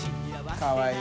かわいい。